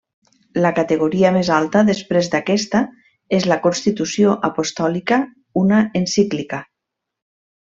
La categoria més alta després d'aquesta és la constitució apostòlica, una encíclica.